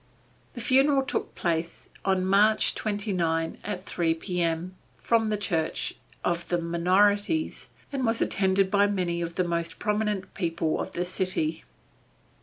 The funeral took place on March 29 at 3 P.M. from the church of the Minorites and was attended by many of the most prominent people of the city.